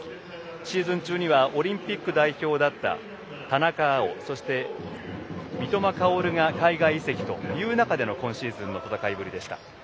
シーズン中にはオリンピック代表だった田中碧、そして三笘薫が海外移籍という中での今シーズンの戦いぶりでした。